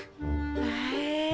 へえ。